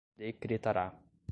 decretará